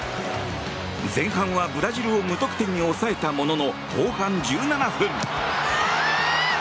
前半はブラジルを無得点に抑えたものの後半１７分。